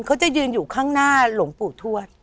เขาจะยืนอยู่ข้างหน้าหลวงปู่ทวด